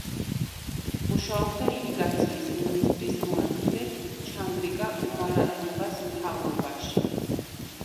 მუშაობდა ირიგაციის მინისტრის მოადგილედ ჩანდრიკა კუმარატუნგას მთავრობაში.